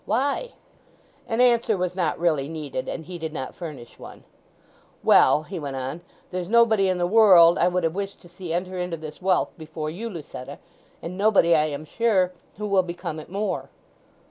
"Why?" An answer was not really needed, and he did not furnish one. "Well," he went on, "there's nobody in the world I would have wished to see enter into this wealth before you, Lucetta, and nobody, I am sure, who will become it more."